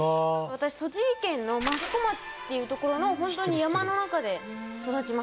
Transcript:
私栃木県の益子町っていう所のホントに山の中で育ちました。